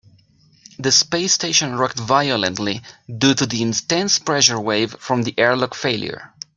The space station rocked violently due to the intense pressure wave from the airlock failure.